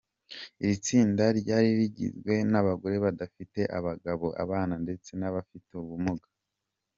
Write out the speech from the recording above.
Iri tsinda ryari rigizwe n’abagore badafite abagabo, abana ndetse n’abafite ubumuga.